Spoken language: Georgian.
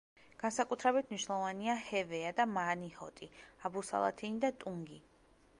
განსაკუთრებით მნიშვნელოვანია ჰევეა და მანიჰოტი, აბუსალათინი და ტუნგი.